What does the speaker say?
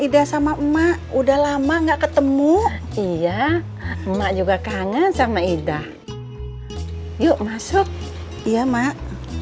ida sama emak udah lama enggak ketemu iya emak juga kangen sama ida yuk masuk iya mak